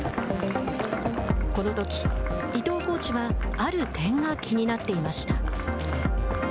このとき、伊藤コーチはある点が気になっていました。